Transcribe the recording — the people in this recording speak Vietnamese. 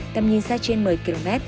tầm nhìn xa trên một mươi km